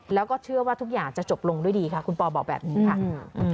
แล้วก็เชื่อว่าทุกอย่างจะจบลงด้วยดีค่ะคุณปอบอกแบบนี้ค่ะ